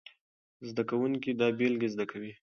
زده کوونکي دا بېلګې زده کوي.